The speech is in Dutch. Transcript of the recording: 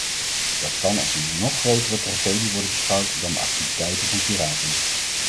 Dat kan als een nog grotere tragedie worden beschouwd dan de activiteiten van piraten.